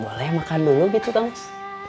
boleh boleh makan dulu gitu kambos